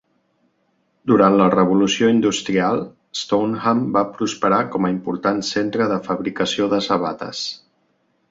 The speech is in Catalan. Durant la Revolució Industrial, Stoneham va prosperar com a important centre de fabricació de sabates.